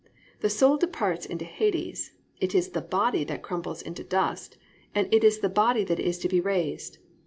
The soul departs into Hades. It is the body that crumbles into dust, and it is the body that is to be raised.